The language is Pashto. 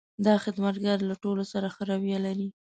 دا خدمتګر له ټولو سره ښه رویه لري.